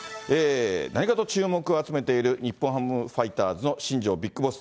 何かと注目を集めている日本ハムファイターズの新庄ビッグボス。